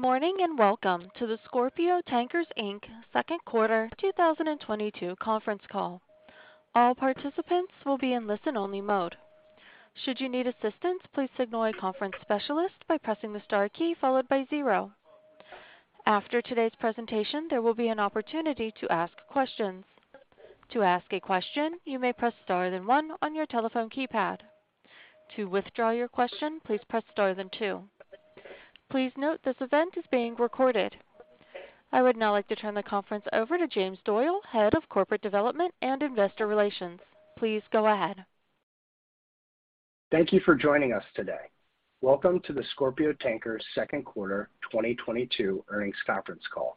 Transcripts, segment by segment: Good morning, and welcome to the Scorpio Tankers Inc. Second Quarter 2022 Conference Call. All participants will be in listen-only mode. Should you need assistance, please signal a conference specialist by pressing the star key followed by zero. After today's presentation, there will be an opportunity to ask questions. To ask a question, you may press star then one on your telephone keypad. To withdraw your question, please press star then two. Please note this event is being recorded. I would now like to turn the conference over to James Doyle, Head of Corporate Development and Investor Relations. Please go ahead. Thank you for joining us today. Welcome to the Scorpio Tankers second quarter 2022 earnings conference call.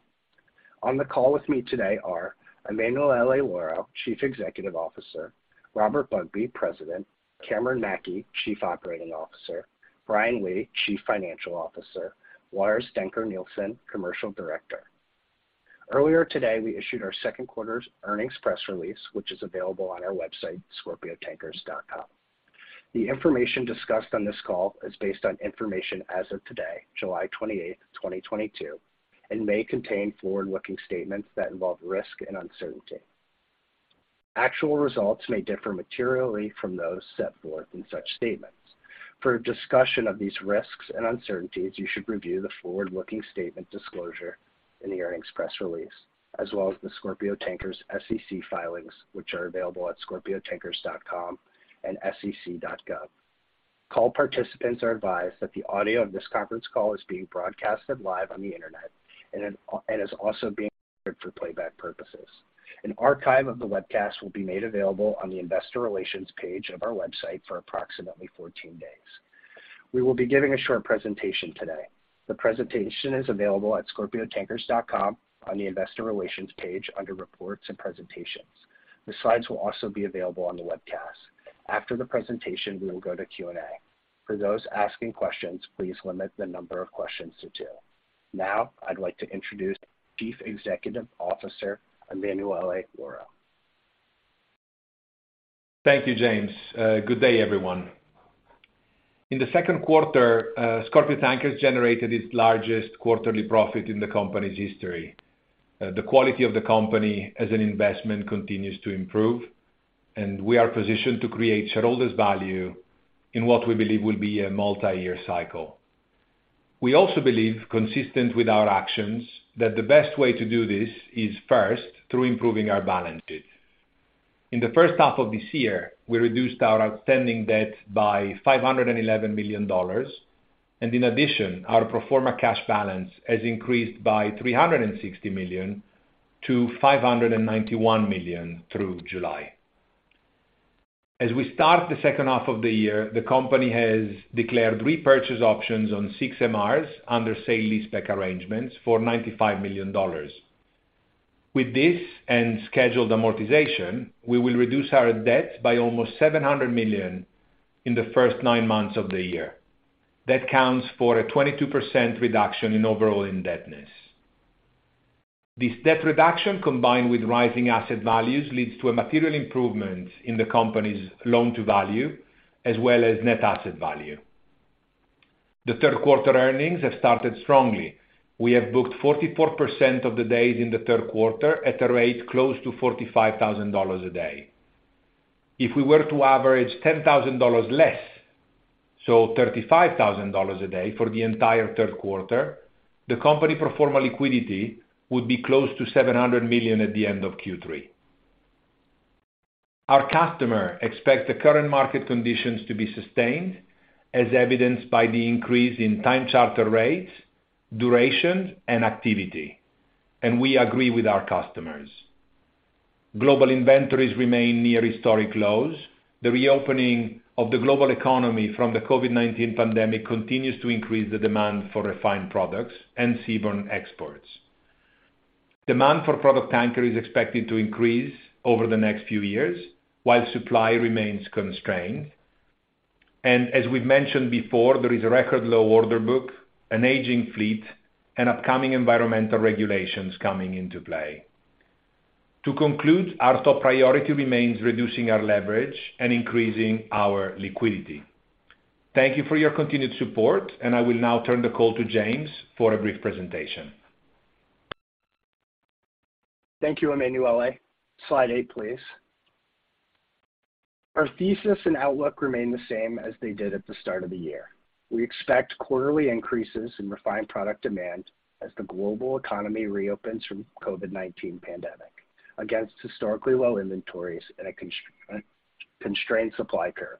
On the call with me today are Emanuele Lauro, Chief Executive Officer, Robert Bugbee, President, Cameron Mackey, Chief Operating Officer, Brian Lee, Chief Financial Officer, Lars Dencker Nielsen, Commercial Director. Earlier today, we issued our second quarter's earnings press release, which is available on our website, scorpiotankers.com. The information discussed on this call is based on information as of today, July 28, 2022, and may contain forward-looking statements that involve risk and uncertainty. Actual results may differ materially from those set forth in such statements. For a discussion of these risks and uncertainties, you should review the forward-looking statement disclosure in the earnings press release, as well as the Scorpio Tankers SEC filings, which are available at scorpiotankers.com and sec.gov. Call participants are advised that the audio of this conference call is being broadcasted live on the Internet and is also being recorded for playback purposes. An archive of the webcast will be made available on the investor relations page of our website for approximately 14 days. We will be giving a short presentation today. The presentation is available at scorpiotankers.com on the investor relations page under Reports and Presentations. The slides will also be available on the webcast. After the presentation, we will go to Q&A. For those asking questions, please limit the number of questions to two. Now, I'd like to introduce Chief Executive Officer Emanuele Lauro. Thank you, James. Good day, everyone. In the second quarter, Scorpio Tankers generated its largest quarterly profit in the company's history. The quality of the company as an investment continues to improve, and we are positioned to create shareholder value in what we believe will be a multi-year cycle. We also believe, consistent with our actions, that the best way to do this is first through improving our balance sheet. In the first half of this year, we reduced our outstanding debt by $511 million. In addition, our pro forma cash balance has increased by $360 million to $591 million through July. As we start the second half of the year, the company has declared repurchase options on six MRs under sale leaseback arrangements for $95 million. With this and scheduled amortization, we will reduce our debt by almost $700 million in the first nine months of the year. That counts for a 22% reduction in overall indebtedness. This debt reduction, combined with rising asset values, leads to a material improvement in the company's loan to value as well as net asset value. The third quarter earnings have started strongly. We have booked 44% of the days in the third quarter at a rate close to $45,000 a day. If we were to average $10,000 less, so $35,000 a day for the entire third quarter, the company pro forma liquidity would be close to $700 million at the end of Q3. Our customers expect the current market conditions to be sustained as evidenced by the increase in time charter rates, duration, and activity, and we agree with our customers. Global inventories remain near historic lows. The reopening of the global economy from the COVID-19 pandemic continues to increase the demand for refined products and seaborne exports. Demand for product tankers is expected to increase over the next few years while supply remains constrained. As we've mentioned before, there is a record low order book, an aging fleet, and upcoming environmental regulations coming into play. To conclude, our top priority remains reducing our leverage and increasing our liquidity. Thank you for your continued support, and I will now turn the call to James for a brief presentation. Thank you, Emanuele. Slide eight, please. Our thesis and outlook remain the same as they did at the start of the year. We expect quarterly increases in refined product demand as the global economy reopens from COVID-19 pandemic against historically low inventories and a constrained supply curve.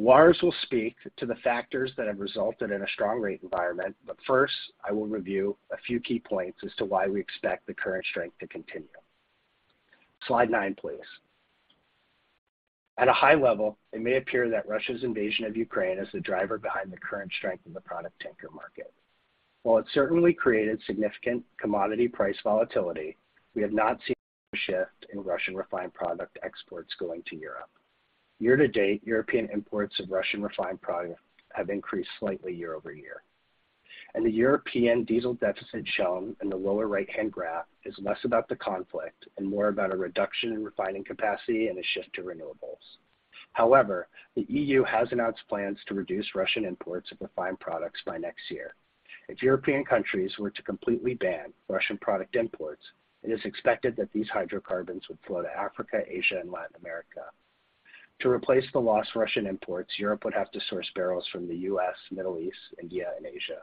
Lars will speak to the factors that have resulted in a strong rate environment, but first, I will review a few key points as to why we expect the current strength to continue. Slide nine, please. At a high level, it may appear that Russia's invasion of Ukraine is the driver behind the current strength in the product tanker market. While it certainly created significant commodity price volatility, we have not seen a shift in Russian refined product exports going to Europe. Year-to-date, European imports of Russian refined products have increased slightly year-over-year. The European diesel deficit shown in the lower right-hand graph is less about the conflict and more about a reduction in refining capacity and a shift to renewables. However, the EU has announced plans to reduce Russian imports of refined products by next year. If European countries were to completely ban Russian product imports, it is expected that these hydrocarbons would flow to Africa, Asia, and Latin America. To replace the lost Russian imports, Europe would have to source barrels from the U.S., Middle East, India, and Asia.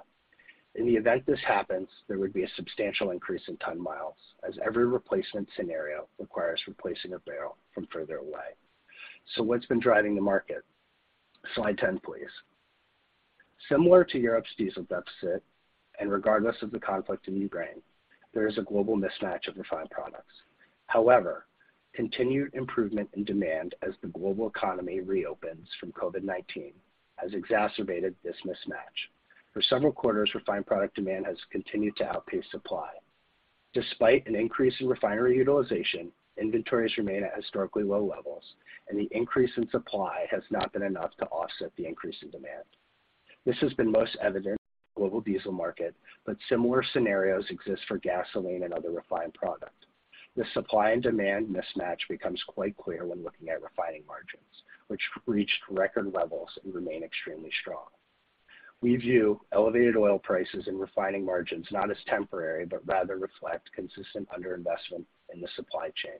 In the event this happens, there would be a substantial increase in ton miles as every replacement scenario requires replacing a barrel from further away. What's been driving the market? Slide 10, please. Similar to Europe's diesel deficit, and regardless of the conflict in Ukraine, there is a global mismatch of refined products. However, continued improvement in demand as the global economy reopens from COVID-19 has exacerbated this mismatch. For several quarters, refined product demand has continued to outpace supply. Despite an increase in refinery utilization, inventories remain at historically low levels, and the increase in supply has not been enough to offset the increase in demand. This has been most evident in the global diesel market, but similar scenarios exist for gasoline and other refined products. The supply and demand mismatch becomes quite clear when looking at refining margins, which reached record levels and remain extremely strong. We view elevated oil prices and refining margins not as temporary, but rather reflect consistent underinvestment in the supply chain.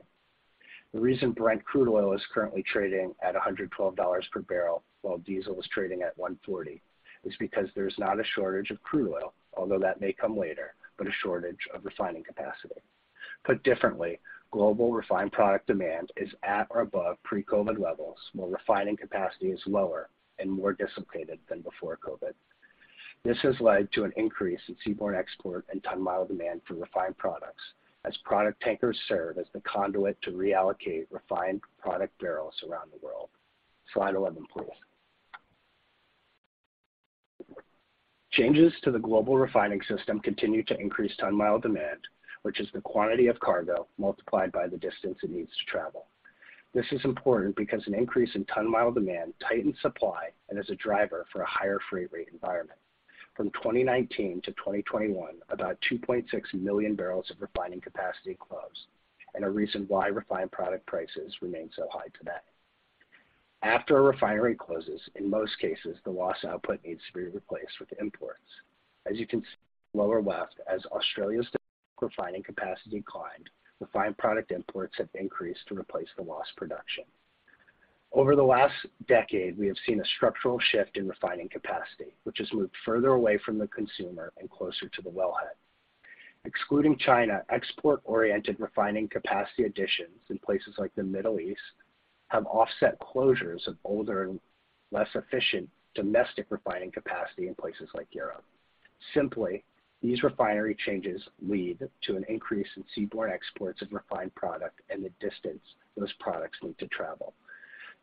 The reason Brent crude oil is currently trading at $112 per barrel while diesel is trading at $140 is because there's not a shortage of crude oil, although that may come later, but a shortage of refining capacity. Put differently, global refined product demand is at or above pre-COVID levels, while refining capacity is lower and more dissipated than before COVID. This has led to an increase in seaborne export and ton-mile demand for refined products as product tankers serve as the conduit to reallocate refined product barrels around the world. Slide 11, please. Changes to the global refining system continue to increase ton-mile demand, which is the quantity of cargo multiplied by the distance it needs to travel. This is important because an increase in ton-mile demand tightens supply and is a driver for a higher freight rate environment. From 2019 to 2021, about 2.6 million barrels of refining capacity closed, and a reason why refined product prices remain so high today. After a refinery closes, in most cases, the lost output needs to be replaced with imports. As you can see in the lower left, as Australia's domestic refining capacity declined, refined product imports have increased to replace the lost production. Over the last decade, we have seen a structural shift in refining capacity, which has moved further away from the consumer and closer to the wellhead. Excluding China, export-oriented refining capacity additions in places like the Middle East have offset closures of older and less efficient domestic refining capacity in places like Europe. Simply, these refinery changes lead to an increase in seaborne exports of refined product and the distance those products need to travel.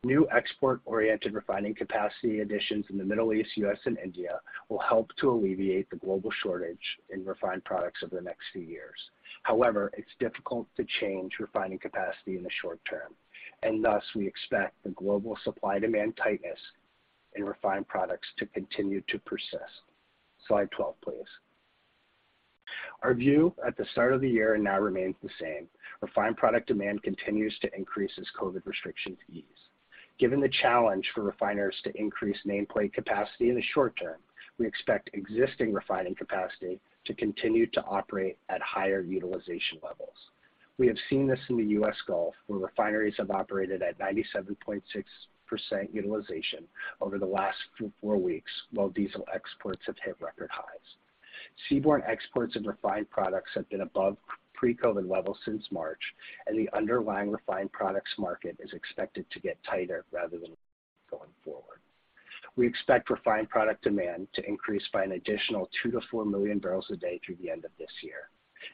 New export-oriented refining capacity additions in the Middle East, U.S., and India will help to alleviate the global shortage in refined products over the next few years. However, it's difficult to change refining capacity in the short term, and thus we expect the global supply-demand tightness in refined products to continue to persist. Slide 12, please. Our view at the start of the year and now remains the same. Refined product demand continues to increase as COVID restrictions ease. Given the challenge for refiners to increase nameplate capacity in the short term, we expect existing refining capacity to continue to operate at higher utilization levels. We have seen this in the U.S. Gulf, where refineries have operated at 97.6% utilization over the last three weeks to four weeks, while diesel exports have hit record highs. Seaborne exports of refined products have been above pre-COVID levels since March, and the underlying refined products market is expected to get tighter rather than easier going forward. We expect refined product demand to increase by an additional 2 million-4 million barrels a day through the end of this year.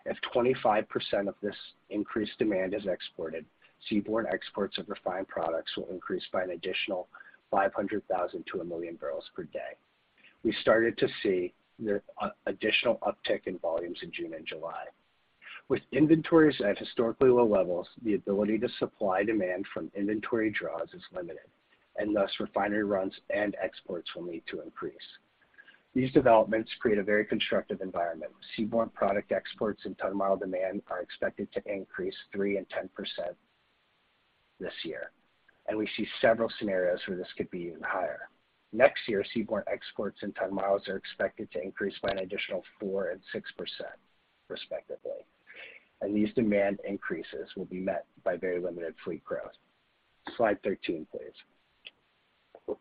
If 25% of this increased demand is exported, seaborne exports of refined products will increase by an additional 500,000-1 million barrels per day. We started to see the additional uptick in volumes in June and July. With inventories at historically low levels, the ability to supply demand from inventory draws is limited, and thus refinery runs and exports will need to increase. These developments create a very constructive environment. Seaborne product exports and ton-mile demand are expected to increase 3% and 10% this year, and we see several scenarios where this could be even higher. Next year, seaborne exports and ton-miles are expected to increase by an additional 4% and 6%, respectively. These demand increases will be met by very limited fleet growth. Slide 13, please.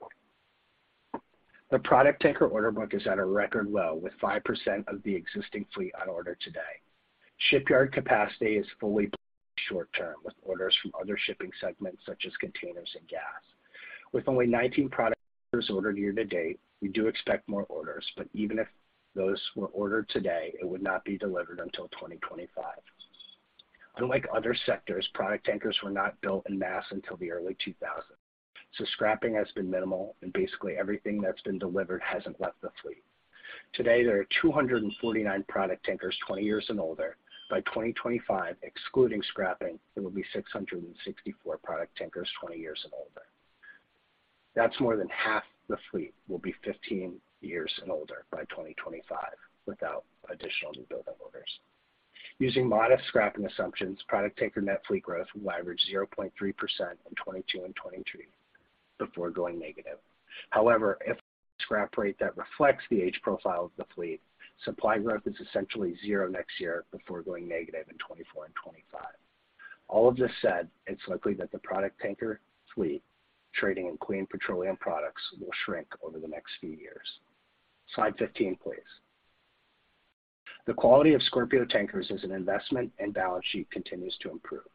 The product tanker order book is at a record low, with 5% of the existing fleet on order today. Shipyard capacity is fully booked in the short term, with orders from other shipping segments such as containers and gas. With only 19 product tankers ordered year to date, we do expect more orders, but even if those were ordered today, it would not be delivered until 2025. Unlike other sectors, product tankers were not built in masse until the early 2000s, so scrapping has been minimal, and basically everything that's been delivered hasn't left the fleet. Today, there are 249 product tankers 20 years and older. By 2025, excluding scrapping, there will be 664 product tankers 20 years and older. That's more than half the fleet will be 15 years and older by 2025 without additional newbuild orders. Using modest scrapping assumptions, product tanker net fleet growth will average 0.3% in 2022 and 2023 before going negative. However, if the scrap rate that reflects the age profile of the fleet, supply growth is essentially zero next year before going negative in 2024 and 2025. All of this said, it's likely that the product tanker fleet trading in clean petroleum products will shrink over the next few years. Slide 15, please. The quality of Scorpio Tankers as an investment and balance sheet continues to improve.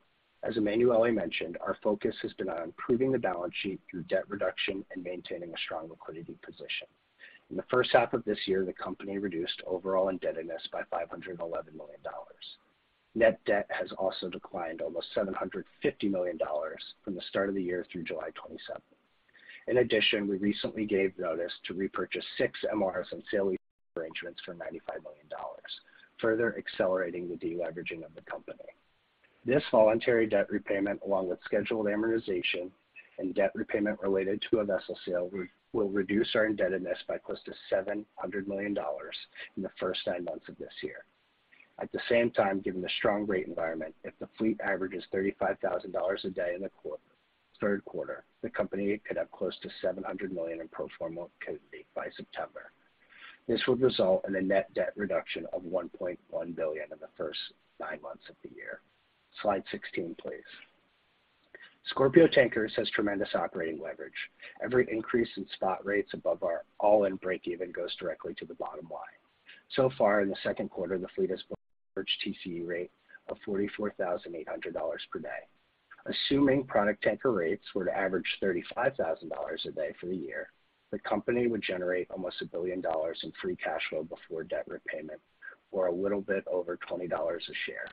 As Emanuele mentioned, our focus has been on improving the balance sheet through debt reduction and maintaining a strong liquidity position. In the first half of this year, the company reduced overall indebtedness by $511 million. Net debt has also declined almost $750 million from the start of the year through July 27. In addition, we recently gave notice to repurchase six MRs and sale-leaseback arrangements for $95 million, further accelerating the deleveraging of the company. This voluntary debt repayment, along with scheduled amortization and debt repayment related to a vessel sale, will reduce our indebtedness by close to $700 million in the first nine months of this year. At the same time, given the strong rate environment, if the fleet averages $35,000 a day in the third quarter, the company could have close to $700 million in pro forma liquidity by September. This would result in a net debt reduction of $1.1 billion in the first nine months of the year. Slide 16, please. Scorpio Tankers has tremendous operating leverage. Every increase in spot rates above our all-in breakeven goes directly to the bottom line. So far in the second quarter, the fleet has booked an average TCE rate of $44,800 per day. Assuming product tanker rates were to average $35,000 a day for the year, the company would generate almost $1 billion in free cash flow before debt repayment, or a little bit over $20 a share,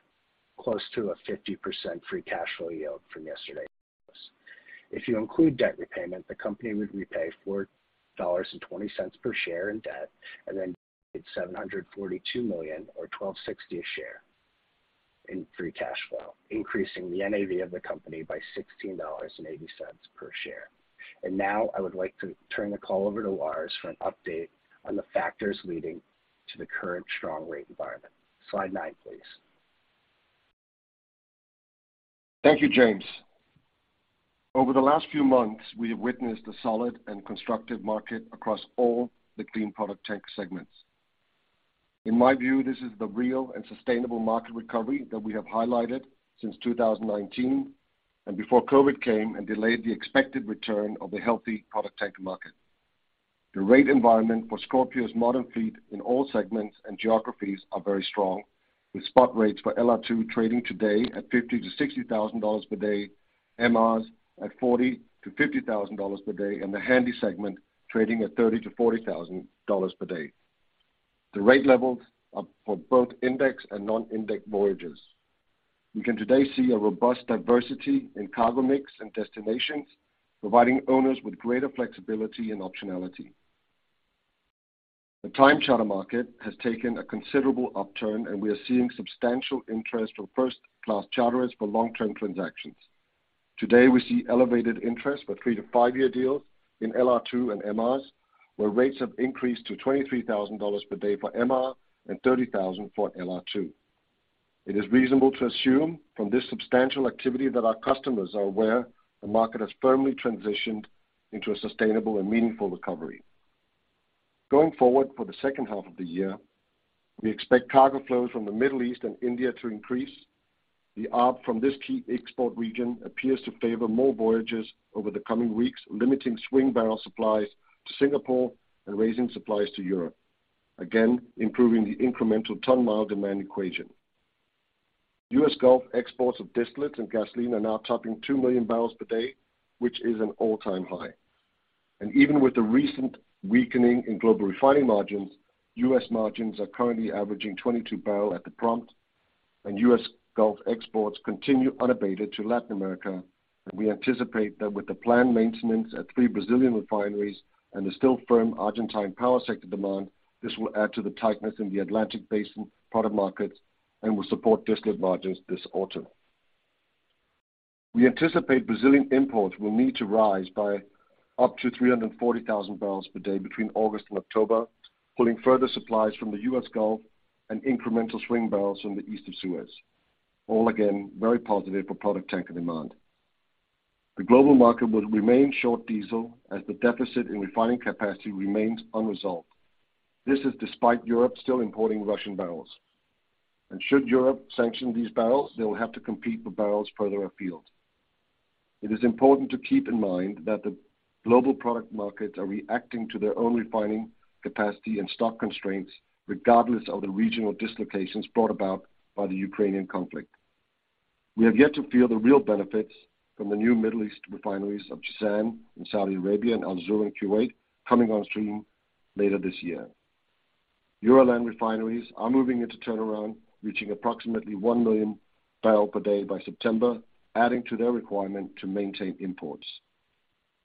close to a 50% free cash flow yield from yesterday's close. If you include debt repayment, the company would repay $4.20 per share in debt, and then generate $742 million or $12.60 a share in free cash flow, increasing the NAV of the company by $16.80 per share. Now I would like to turn the call over to Lars for an update on the factors leading to the current strong rate environment. Slide nine, please. Thank you, James. Over the last few months, we have witnessed a solid and constructive market across all the clean product tank segments. In my view, this is the real and sustainable market recovery that we have highlighted since 2019 and before COVID came and delayed the expected return of a healthy product tanker market. The rate environment for Scorpio's modern fleet in all segments and geographies are very strong, with spot rates for LR2 trading today at $50,000-$60,000 per day, MRs at $40,000-$50,000 per day, and the Handysize segment trading at $30,000-$40,000 per day. The rate levels are for both indexed and non-indexed voyages. We can today see a robust diversity in cargo mix and destinations, providing owners with greater flexibility and optionality. The time charter market has taken a considerable upturn, and we are seeing substantial interest from first-class charterers for long-term transactions. Today, we see elevated interest for three to five year deals in LR2 and MRs, where rates have increased to $23,000 per day for MR and $30,000 for LR2. It is reasonable to assume from this substantial activity that our customers are aware the market has firmly transitioned into a sustainable and meaningful recovery. Going forward for the second half of the year, we expect cargo flows from the Middle East and India to increase. The arb from this key export region appears to favor more voyages over the coming weeks, limiting swing barrel supplies to Singapore and raising supplies to Europe, again, improving the incremental ton-mile demand equation. US Gulf exports of distillate and gasoline are now topping 2 million barrels per day, which is an all-time high. Even with the recent weakening in global refining margins, US margins are currently averaging $22/barrel at the prompt, and US Gulf exports continue unabated to Latin America, and we anticipate that with the planned maintenance at three Brazilian refineries and the still firm Argentine power sector demand, this will add to the tightness in the Atlantic basin product markets and will support distillate margins this autumn. We anticipate Brazilian imports will need to rise by up to 340,000 barrels per day between August and October, pulling further supplies from the US Gulf and incremental swing barrels from the East of Suez. All in all, again, very positive for product tanker demand. The global market will remain short diesel as the deficit in refining capacity remains unresolved. This is despite Europe still importing Russian barrels. Should Europe sanction these barrels, they will have to compete with barrels further afield. It is important to keep in mind that the global product markets are reacting to their own refining capacity and stock constraints regardless of the regional dislocations brought about by the Ukrainian conflict. We have yet to feel the real benefits from the new Middle East refineries of Jīzān in Saudi Arabia and Al-Zour in Kuwait coming on stream later this year. Euroland refineries are moving into turnaround, reaching approximately 1 million barrels per day by September, adding to their requirement to maintain imports.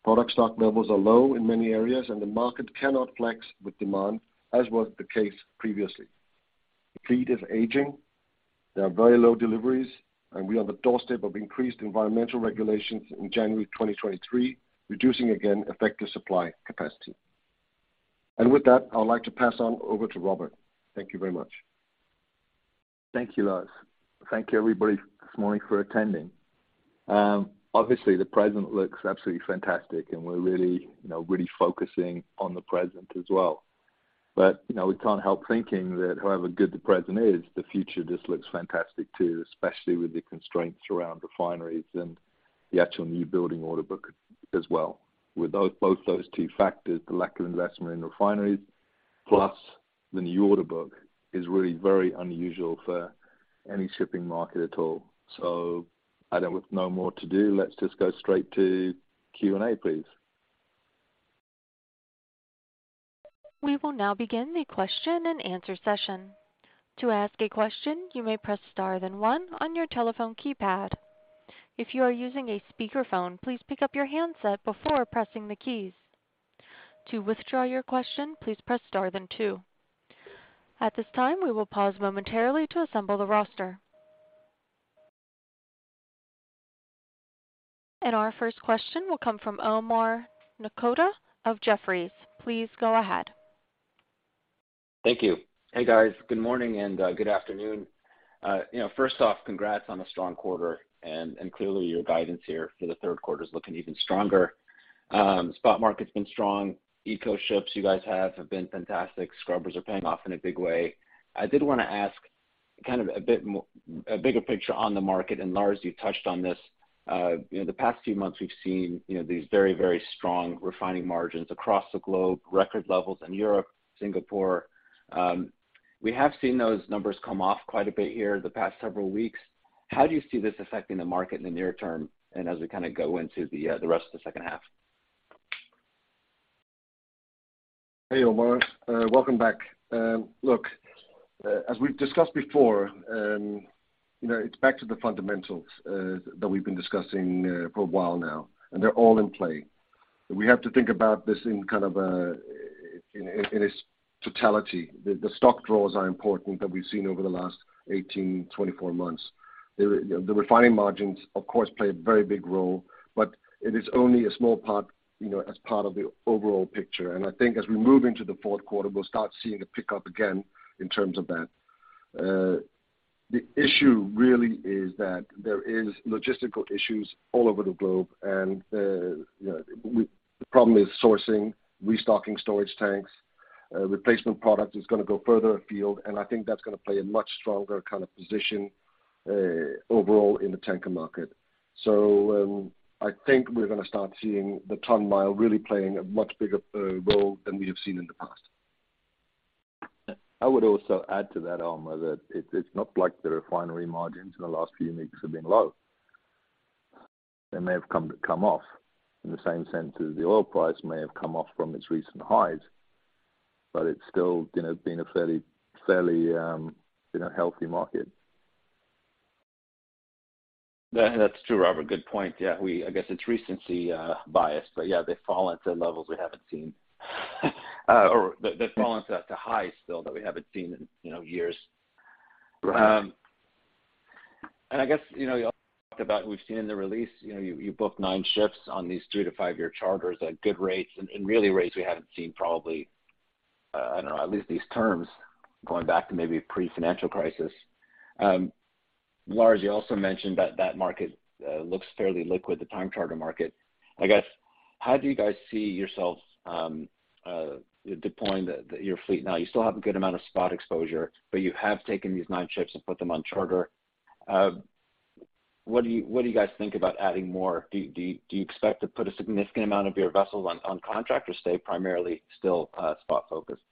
Product stock levels are low in many areas, and the market cannot flex with demand as was the case previously. The fleet is aging. There are very low deliveries, and we are on the doorstep of increased environmental regulations in January 2023, reducing again effective supply capacity. With that, I would like to pass on over to Robert. Thank you very much. Thank you, Lars. Thank you everybody this morning for attending. Obviously, the present looks absolutely fantastic, and we're really, you know, really focusing on the present as well. You know, we can't help thinking that however good the present is, the future just looks fantastic too, especially with the constraints around refineries and the actual new building order book as well. With both those two factors, the lack of investment in refineries plus the new order book is really very unusual for any shipping market at all. With no more to do, let's just go straight to Q&A, please. We will now begin the question-and-answer session. To ask a question, you may press star, then one on your telephone keypad. If you are using a speakerphone, please pick up your handset before pressing the keys. To withdraw your question, please press star, then two. At this time, we will pause momentarily to assemble the roster. Our first question will come from Omar Nokta of Jefferies. Please go ahead. Thank you. Hey, guys. Good morning and good afternoon. You know, first off, congrats on a strong quarter, and clearly your guidance here for the third quarter is looking even stronger. Spot market's been strong. Eco ships you guys have been fantastic. Scrubbers are paying off in a big way. I did wanna ask kind of a bit more, a bigger picture on the market, and Lars, you touched on this. You know, the past few months we've seen, you know, these very, very strong refining margins across the globe, record levels in Europe, Singapore. We have seen those numbers come off quite a bit here the past several weeks. How do you see this affecting the market in the near term and as we kinda go into the rest of the second half? Hey, Omar. Welcome back. Look, as we've discussed before, you know, it's back to the fundamentals that we've been discussing for a while now, and they're all in play. We have to think about this in kind of its totality. The stock draws are important that we've seen over the last 18, 24 months. You know, the refining margins, of course, play a very big role, but it is only a small part, you know, as part of the overall picture. I think as we move into the fourth quarter, we'll start seeing a pickup again in terms of that. The issue really is that there is logistical issues all over the globe, and, you know, the problem is sourcing, restocking storage tanks. Replacement product is gonna go further afield, and I think that's gonna play a much stronger kind of position overall in the tanker market. I think we're gonna start seeing the ton-mile really playing a much bigger role than we have seen in the past. I would also add to that, Omar, that it's not like the refinery margins in the last few weeks have been low. They may have come off in the same sense as the oil price may have come off from its recent highs, but it's still, you know, been a fairly, you know, healthy market. That's true, Robert. Good point. Yeah. I guess it's recency bias, but yeah, they've fallen to levels we haven't seen. Or they've fallen to highs still that we haven't seen in, you know, years. Right. I guess, you know, y'all talked about, we've seen in the release, you know, you booked nine ships on these three to five year charters at good rates and really rates we haven't seen probably, I don't know, at least these terms going back to maybe pre-financial crisis. Lars, you also mentioned that that market looks fairly liquid, the time charter market. I guess, how do you guys see yourselves deploying your fleet now? You still have a good amount of spot exposure, but you have taken these nine ships and put them on charter. What do you guys think about adding more? Do you expect to put a significant amount of your vessels on contract or stay primarily still spot focused?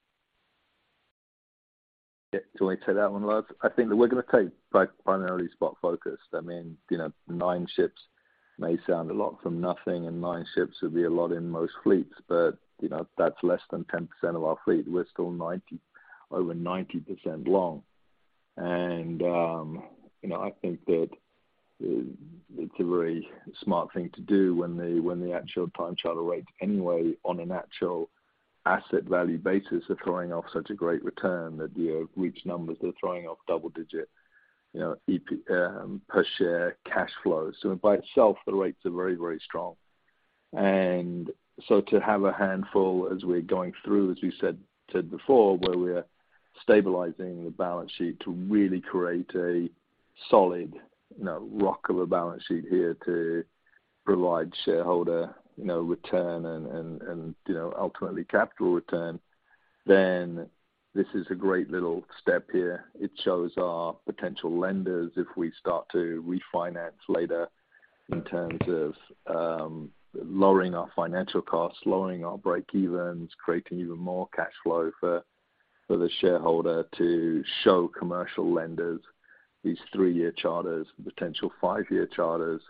Yeah. Do you wanna take that one, Lars? I think that we're gonna take primarily spot focused. I mean, you know, nine ships may sound a lot from nothing, and nine ships would be a lot in most fleets, but, you know, that's less than 10% of our fleet. We're still over 90% long. You know, I think that it's a very smart thing to do when the actual time charter rates anyway on an actual asset value basis are throwing off such a great return that, you know, reached numbers that are throwing off double-digit EPS per share cash flows. By itself, the rates are very, very strong. To have a handful as we're going through, as we said before, where we're stabilizing the balance sheet to really create a solid, you know, rock of a balance sheet here to provide shareholder, you know, return and, you know, ultimately capital return, then this is a great little step here. It shows our potential lenders, if we start to refinance later in terms of lowering our financial costs, lowering our breakevens, creating even more cash flow for the shareholder to show commercial lenders these three-year charters, potential five-year charters.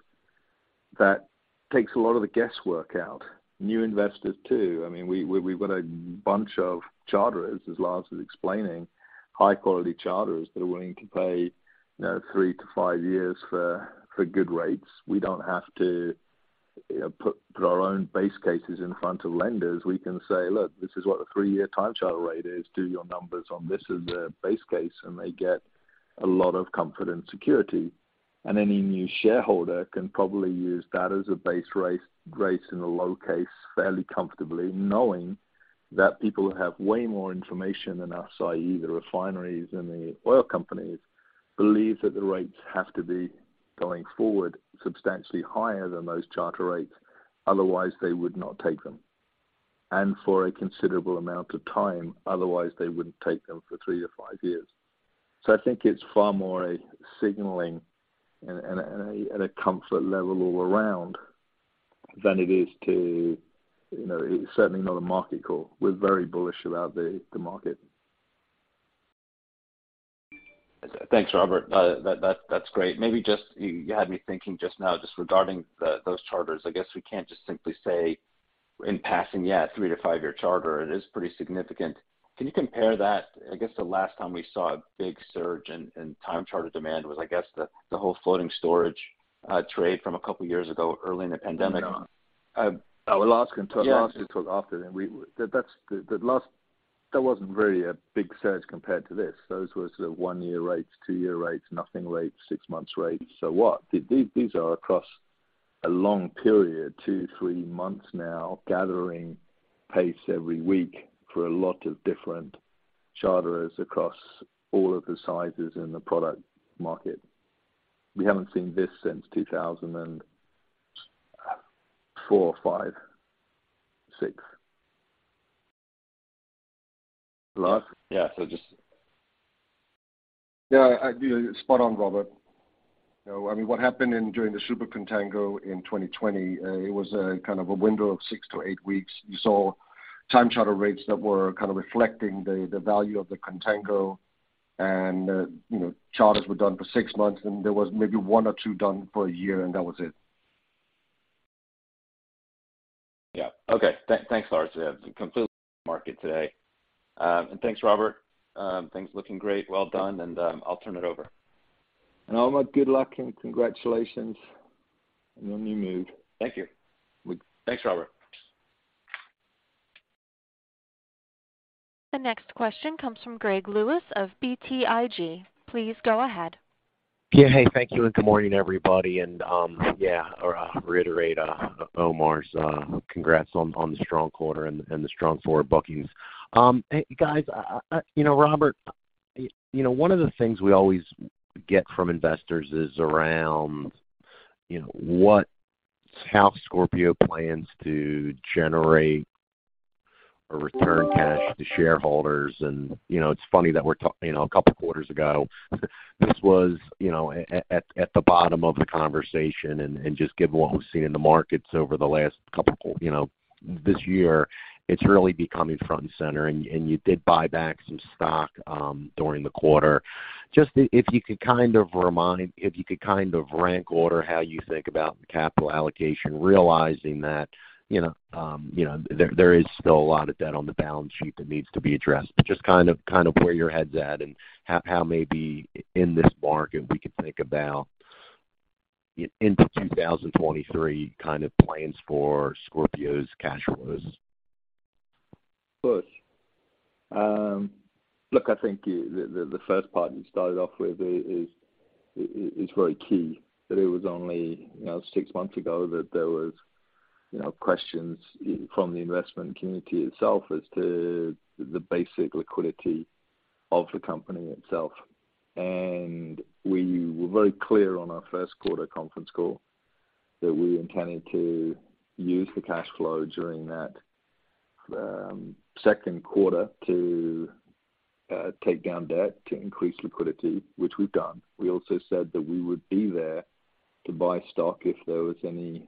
That takes a lot of the guesswork out. New investors too. I mean, we've got a bunch of charterers, as Lars was explaining, high quality charterers that are willing to pay, you know, three to five years for good rates. We don't have to, you know, put our own base cases in front of lenders. We can say, "Look, this is what a three-year time charter rate is. Do your numbers on this as a base case," and they get a lot of comfort and security. Any new shareholder can probably use that as a base rate in a low case fairly comfortably, knowing that people have way more information than us, i.e. the refineries and the oil companies, believe that the rates have to be going forward substantially higher than those charter rates, otherwise they would not take them. For a considerable amount of time, otherwise they wouldn't take them for three to five years. I think it's far more a signaling and a comfort level all around than it is to, you know, certainly not a market call. We're very bullish about the market. Thanks, Robert. That's great. Maybe you had me thinking just now regarding those charters. I guess we can't just simply say in passing, yeah, three to five year charter, it is pretty significant. Can you compare that? I guess the last time we saw a big surge in time charter demand was, I guess, the whole floating storage trade from a couple years ago early in the pandemic. Yeah. I will ask him. Yeah. That's the last. That wasn't really a big surge compared to this. Those were sort of one-year rates, two-year rates, spot rates, six-month rates. What? These are across a long period, two, three months now, gathering pace every week for a lot of different charterers across all of the sizes in the product market. We haven't seen this since 2004, 2005, 2006. Lars? Yeah. Yeah. You're spot on, Robert. You know, I mean, what happened during the super contango in 2020, it was a kind of a window of six to eight weeks. You saw time charter rates that were kind of reflecting the value of the contango. You know, charters were done for 6 months, and there was maybe one or two done for a year, and that was it. Yeah. Okay. Thanks, Lars. Yeah. Competitive market today. Thanks, Robert. Things looking great. Well done. I'll turn it over. Omar, good luck and congratulations on your new move. Thank you. Thanks, Robert. The next question comes from Gregory Lewis of BTIG. Please go ahead. Yeah. Hey, thank you, and good morning, everybody. To reiterate Omar's congrats on the strong quarter and the strong forward bookings. Hey, guys, you know, Robert, you know, one of the things we always get from investors is around, you know, what, how Scorpio plans to generate or return cash to shareholders. You know, it's funny that we're talking you know a couple of quarters ago this was you know at the bottom of the conversation and just given what we've seen in the markets over the last couple you know this year it's really becoming front and center and you did buy back some stock during the quarter. Just, if you could kind of remind. If you could kind of rank order how you think about capital allocation, realizing that, you know, you know, there is still a lot of debt on the balance sheet that needs to be addressed. Just kind of where your head's at and how maybe in this market we could think about into 2023 kind of plans for Scorpio's cash flows? Sure. Look, I think the first part you started off with is very key, that it was only, you know, six months ago that there was, you know, questions from the investment community itself as to the basic liquidity of the company itself. We were very clear on our first quarter conference call that we intended to use the cash flow during that second quarter to take down debt, to increase liquidity, which we've done. We also said that we would be there to buy stock if there was any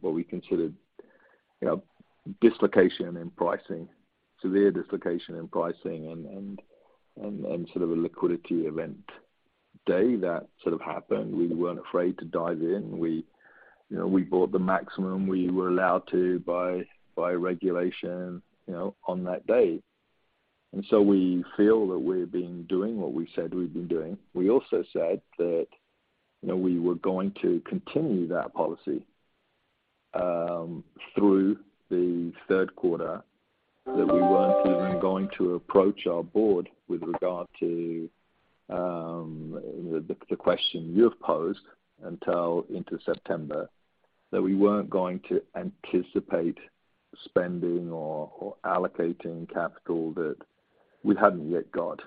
what we considered, you know, dislocation in pricing, severe dislocation in pricing and sort of a liquidity event day that sort of happened. We weren't afraid to dive in. We, you know, bought the maximum we were allowed to by regulation, you know, on that day. We feel that we've been doing what we said we've been doing. We also said that, you know, we were going to continue that policy through the third quarter, that we weren't even going to approach our board with regard to, you know, the question you've posed until into September, that we weren't going to anticipate spending or allocating capital that we hadn't yet got.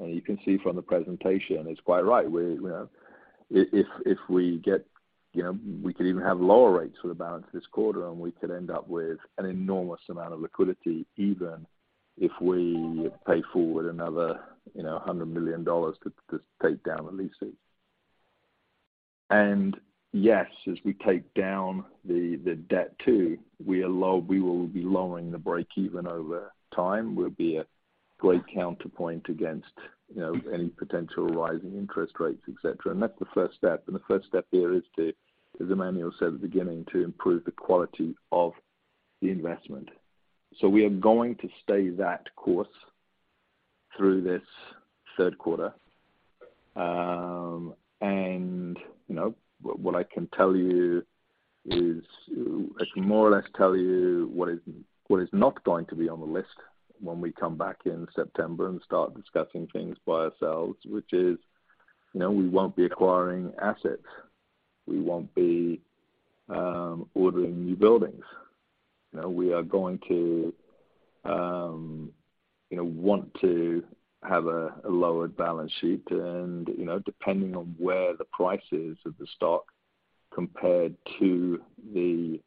You can see from the presentation, it's quite right. We, you know, if we get, you know, we could even have lower rates for the balance of this quarter, and we could end up with an enormous amount of liquidity, even if we pay forward another, you know, $100 million to take down a leasing. Yes, as we take down the debt too, we will be lowering the break even over time. We'll be a great counterpoint against, you know, any potential rising interest rates, etcetera. That's the first step, and the first step there is to, as Emanuele said at the beginning, to improve the quality of the investment. We are going to stay that course through this third quarter. You know, I can more or less tell you what is not going to be on the list when we come back in September and start discussing things by ourselves, which is, you know, we won't be acquiring assets. We won't be ordering new buildings. You know, we are going to want to have a lowered balance sheet. You know, depending on where the price is of the stock compared to the,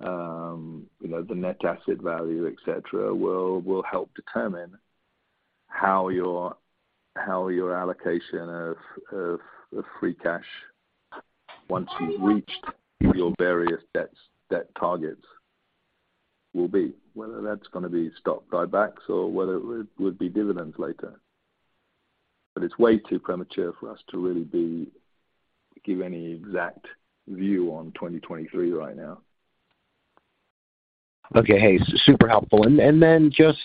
you know, the net asset value, et cetera, will help determine how your allocation of free cash once you've reached your various debt targets will be. Whether that's gonna be stock buybacks or whether it would be dividends later. It's way too premature for us to really give any exact view on 2023 right now. Okay. Hey, super helpful. Then just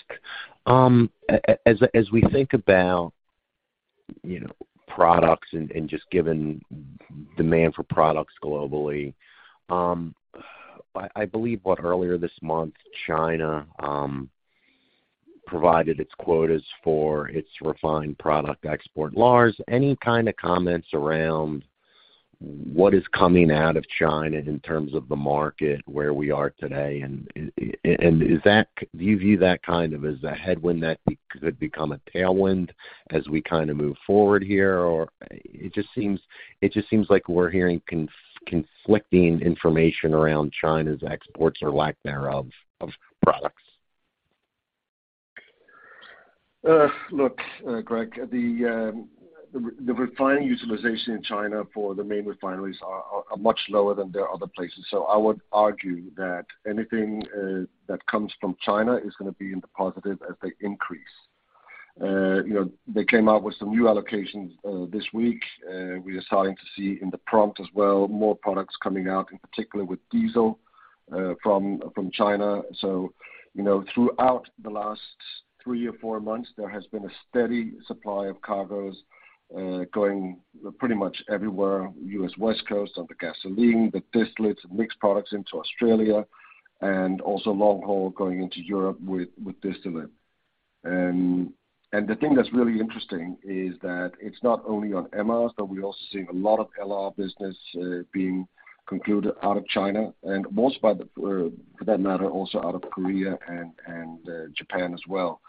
as we think about, you know, products and just given demand for products globally, I believe that earlier this month, China provided its quotas for its refined product export quotas. Any kind of comments around what is coming out of China in terms of the market, where we are today? Do you view that kind of as a headwind that could become a tailwind as we kinda move forward here? Or it just seems like we're hearing conflicting information around China's exports or lack thereof of products. Look, Greg, the refining utilization in China for the main refineries are much lower than their other places. I would argue that anything that comes from China is gonna be in the positive as they increase. You know, they came out with some new allocations this week. We're starting to see in the prompt as well more products coming out, in particular with diesel, from China. You know, throughout the last three or four months, there has been a steady supply of cargoes going pretty much everywhere, U.S. West Coast on the gasoline, the distillates and mixed products into Australia, and also long haul going into Europe with distillate. The thing that's really interesting is that it's not only on MRs, but we're also seeing a lot of LR business being concluded out of China, and for that matter, also out of Korea and Japan as well.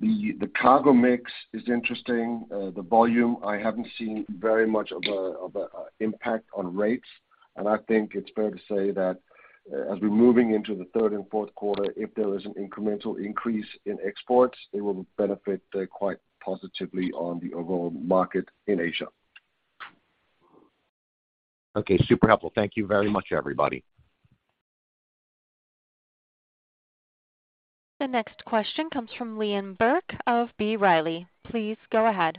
The cargo mix is interesting. The volume, I haven't seen very much of an impact on rates. I think it's fair to say that as we're moving into the third and fourth quarter, if there is an incremental increase in exports, they will benefit quite positively on the overall market in Asia. Okay, super helpful. Thank you very much, everybody. The next question comes from Liam Burke of B. Riley. Please go ahead.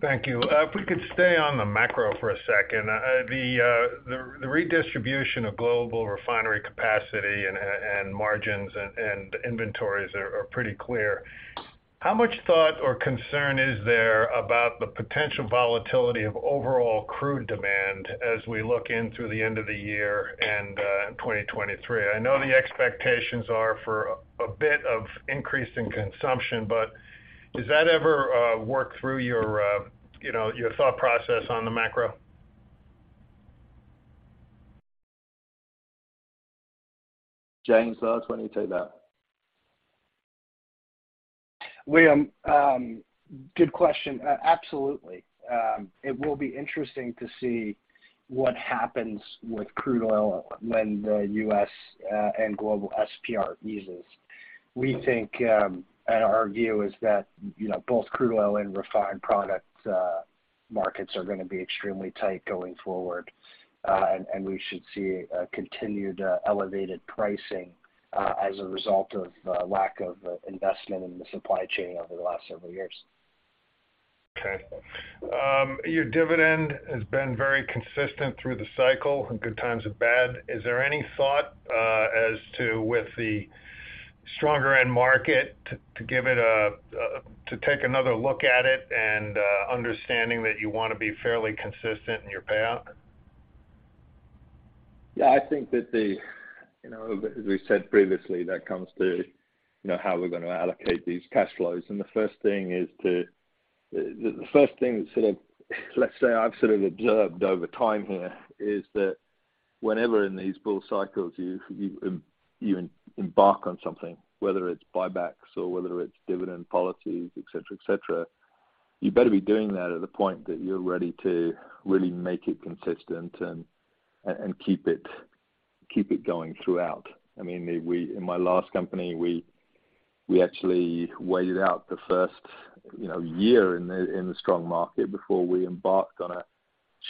Thank you. If we could stay on the macro for a second. The redistribution of global refinery capacity and margins and inventories are pretty clear. How much thought or concern is there about the potential volatility of overall crude demand as we look into the end of the year and in 2023? I know the expectations are for a bit of increase in consumption, but does that ever work through your you know, your thought process on the macro? James, why don't you take that? Liam, good question. Absolutely. It will be interesting to see what happens with crude oil when the U.S. and global SPR eases. We think, and our view is that, you know, both crude oil and refined product markets are gonna be extremely tight going forward. And we should see a continued elevated pricing as a result of the lack of investment in the supply chain over the last several years. Okay. Your dividend has been very consistent through the cycle in good times and bad. Is there any thought as to, with the stronger end market, to take another look at it and understanding that you wanna be fairly consistent in your payout? Yeah, I think that. You know, as we said previously, that comes to, you know, how we're gonna allocate these cash flows. The first thing that sort of, let's say, I've sort of observed over time here is that whenever in these bull cycles, you embark on something, whether it's buybacks or whether it's dividend policies, et cetera, you better be doing that at a point that you're ready to really make it consistent and keep it going throughout. I mean, in my last company, we actually waited out the first year in the strong market before we embarked on a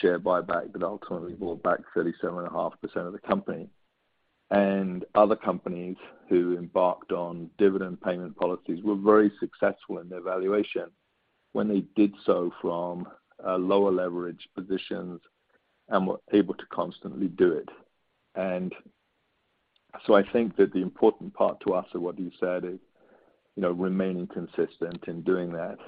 share buyback that ultimately bought back 37.5% of the company. Other companies who embarked on dividend payment policies were very successful in their valuation when they did so from a lower leverage positions and were able to constantly do it. I think that the important part to us of what you said is, you know, remaining consistent in doing that.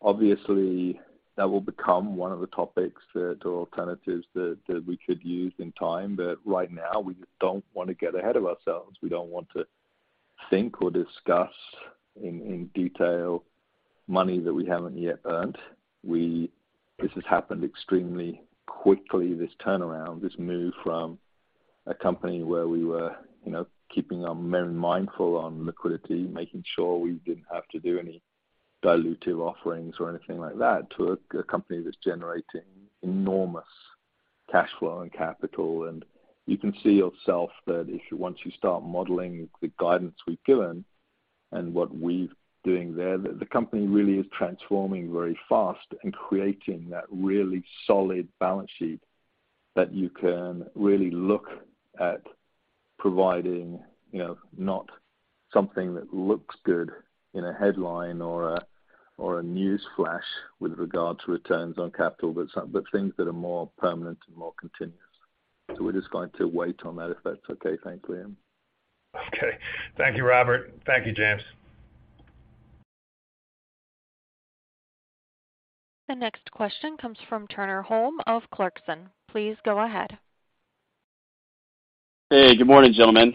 Obviously that will become one of the topics that or alternatives that we could use in time. Right now, we just don't wanna get ahead of ourselves. We don't want to think or discuss in detail money that we haven't yet earned. This has happened extremely quickly, this turnaround, this move from a company where we were, you know, keeping our minds mindful of liquidity, making sure we didn't have to do any dilutive offerings or anything like that, to a company that's generating enormous cash flow and capital. You can see yourself that if once you start modeling the guidance we've given and what we're doing there, the company really is transforming very fast and creating that really solid balance sheet that you can really look at providing, you know, not something that looks good in a headline or a news flash with regard to returns on capital, but some things that are more permanent and more continuous. We're just going to wait on that, if that's okay. Thanks, Liam. Okay. Thank you, Robert. Thank you, James. The next question comes from Turner Holm of Clarksons. Please go ahead. Hey, good morning, gentlemen.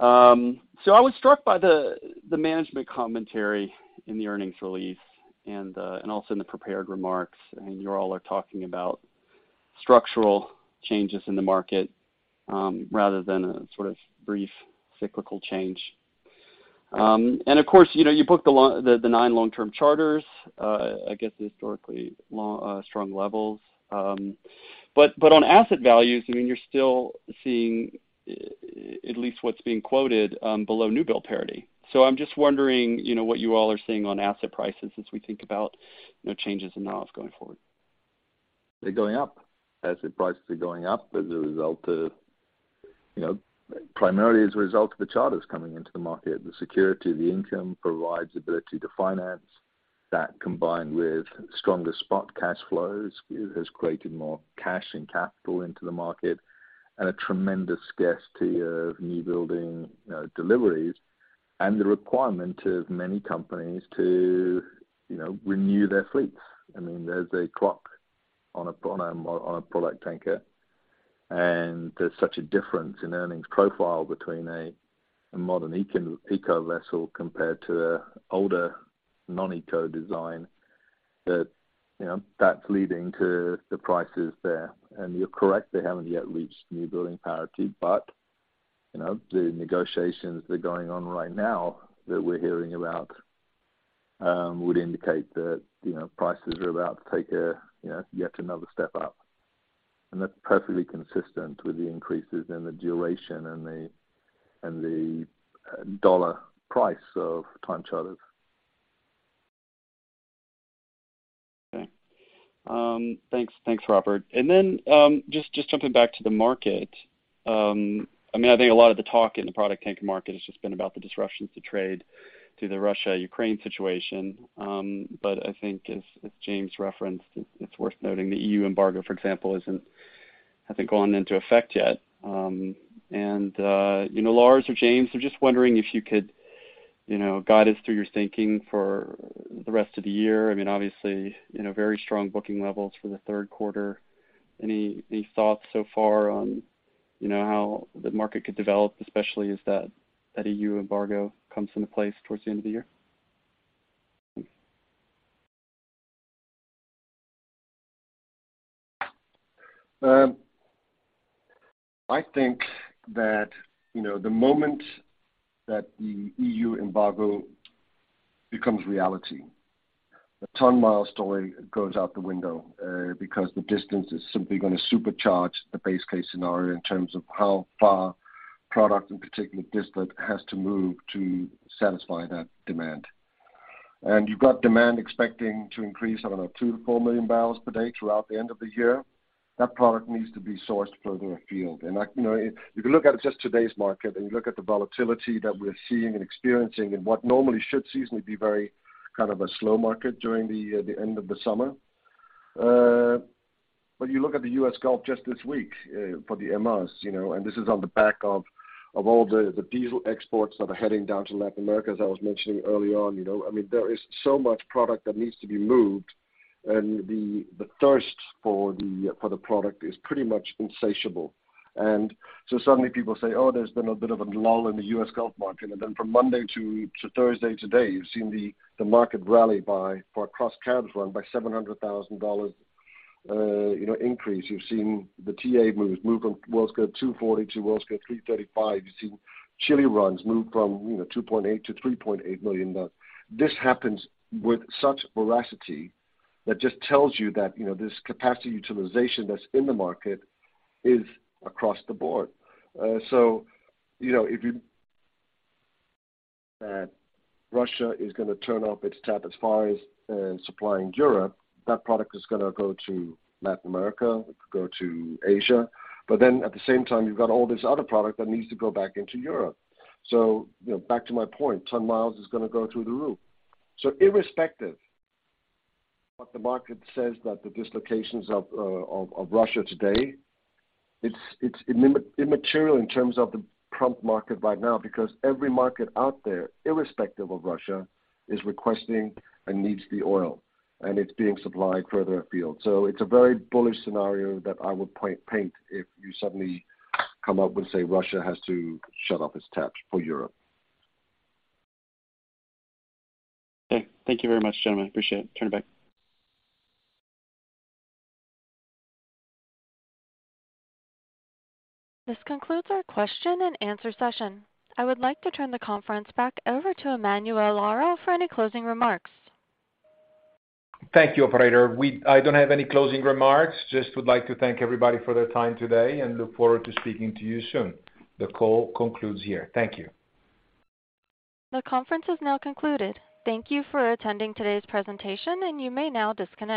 I was struck by the management commentary in the earnings release and also in the prepared remarks, and you all are talking about structural changes in the market, rather than a sort of brief cyclical change. Of course, you know, you booked the nine long-term charters, I guess historically long strong levels. But on asset values, I mean, you're still seeing at least what's being quoted below new build parity. I'm just wondering, you know, what you all are seeing on asset prices as we think about, you know, changes in ops going forward. They're going up. Asset prices are going up as a result of, you know, primarily as a result of the charters coming into the market. The security, the income provides ability to finance. That combined with stronger spot cash flows has created more cash and capital into the market and a tremendous scarcity of new building, you know, deliveries and the requirement of many companies to, you know, renew their fleets. I mean, there's a clock on a product tanker, and there's such a difference in earnings profile between a modern eco vessel compared to a older non-eco design that, you know, that's leading to the prices there. You're correct, they haven't yet reached new building parity, but, you know, the negotiations that are going on right now that we're hearing about would indicate that, you know, prices are about to take a, you know, yet another step up. That's perfectly consistent with the increases in the duration and the dollar price of time charters. Okay. Thanks, Robert. Just jumping back to the market, I mean, I think a lot of the talk in the product tanker market has just been about the disruptions to trade through the Russia-Ukraine situation. I think as James referenced, it's worth noting the EU embargo, for example, hasn't gone into effect yet. You know, Lars or James, I'm just wondering if you could, you know, guide us through your thinking for the rest of the year. I mean, obviously, you know, very strong booking levels for the third quarter. Any thoughts so far on, you know, how the market could develop, especially as that EU embargo comes into place towards the end of the year? I think that, you know, the moment that the EU embargo becomes reality, the ton-mile story goes out the window, because the distance is simply gonna supercharge the base case scenario in terms of how far product in particular distillate has to move to satisfy that demand. You've got demand expecting to increase, I don't know, 2-4 million barrels per day throughout the end of the year. That product needs to be sourced further afield. You know, if you look at just today's market and you look at the volatility that we're seeing and experiencing in what normally should seasonally be very kind of a slow market during the end of the summer. You look at the US Gulf just this week, for the MR, you know, and this is on the back of all the diesel exports that are heading down to Latin America, as I was mentioning early on, you know. I mean, there is so much product that needs to be moved and the thirst for the product is pretty much insatiable. Suddenly people say, "Oh, there's been a bit of a lull in the US Gulf market." From Monday to Thursday today, you've seen the market rally by, for a cross-Gulf run by $700,000 increase. You've seen the TC moves move from Worldscale 240 to Worldscale 335. You've seen Chile runs move from, you know, $2.8 million-$3.8 million. This happens with such veracity that just tells you that, you know, this capacity utilization that's in the market is across the board. That Russia is gonna turn off its tap as far as supplying Europe, that product is gonna go to Latin America, it could go to Asia. At the same time, you've got all this other product that needs to go back into Europe. You know, back to my point, ton miles is gonna go through the roof. Irrespective what the market says that the dislocations of Russia today, it's immaterial in terms of the prompt market right now because every market out there, irrespective of Russia, is requesting and needs the oil, and it's being supplied further afield. It's a very bullish scenario that I would paint if you suddenly come up with, say, Russia has to shut off its taps for Europe. Okay. Thank you very much, gentlemen. Appreciate it. Turn it back. This concludes our question and answer session. I would like to turn the conference back over to Emanuele Lauro for any closing remarks. Thank you, operator. I don't have any closing remarks. Just would like to thank everybody for their time today and look forward to speaking to you soon. The call concludes here. Thank you. The conference is now concluded. Thank you for attending today's presentation, and you may now disconnect.